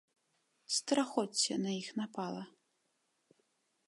Страхоцце на іх напала.